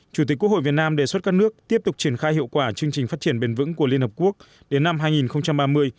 chủ tịch quốc hội việt nam đề xuất các nước tiếp tục triển khai hiệu quả chương trình phát triển bền vững của liên hợp quốc đến năm hai nghìn ba mươi